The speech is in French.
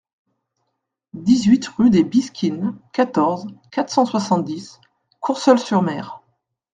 dix-huit rue des Bisquines, quatorze, quatre cent soixante-dix, Courseulles-sur-Mer